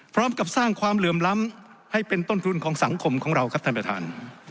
พร้อมกับสร้างความเหลื่อมล้ำให้เป็นต้นทุนของสังคมของเราครับท่านประธาน